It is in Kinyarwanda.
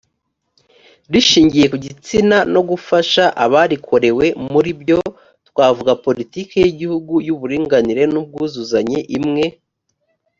rishingiye ku gitsina no gufasha abarikorewe muri byo twavuga politiki y igihugu y uburinganire n ubwuzuzanye imwe